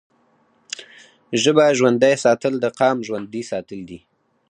ژبه ژوندی ساتل د قام ژوندی ساتل دي.